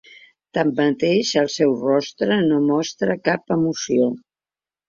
Tanmateix, el seu rostre no mostra cap emoció.